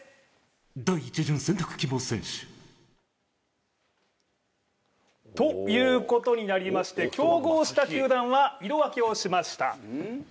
第１巡選択希望選手。ということになりまして競合した球団は色分けしました。